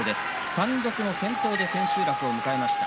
単独の先頭で千秋楽を迎えました。